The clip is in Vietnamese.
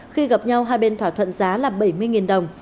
khi gặp nhau hai bên thỏa thuận giá là bảy mươi đồng